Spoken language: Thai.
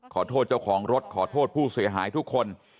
ขอโทษเจ้าของรถขอโทษผู้เสียหายทุกคน